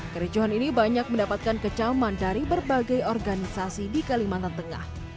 kericuhan ini banyak mendapatkan kecaman dari berbagai organisasi di kalimantan tengah